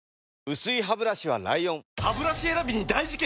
薄いハブラシは ＬＩＯＮハブラシ選びに大事件！